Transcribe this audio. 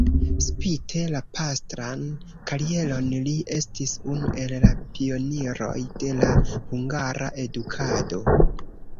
Spite la pastran karieron li estis unu el la pioniroj de la hungara edukado.